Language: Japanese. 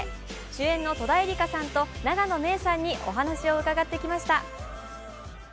主演の戸田恵梨香さんと永野芽郁さんにお話を伺ってきました。